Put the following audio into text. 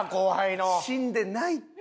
死んでないって。